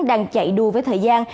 đang chạy đua với thời gian